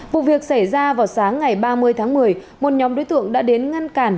vụ việc xảy ra vào sáng ngày ba mươi tháng một mươi một nhóm đối tượng đã đến ngăn cản